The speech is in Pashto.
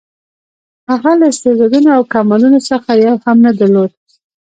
هغه له استعدادونو او کمالونو څخه یو هم نه درلود.